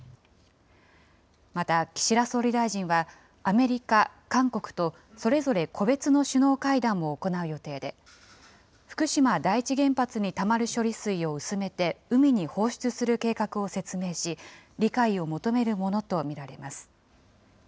また、岸田総理大臣はアメリカ、韓国とそれぞれ個別の首脳会談も行う予定で、福島第一原発にたまる処理水を薄めて海に放出する計画を説明し、理解を求めるものと見られます。